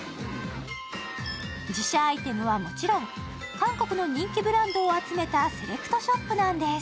自社アイテムはもちろん、韓国の人気ブランドを集めたセレクトショップなんです。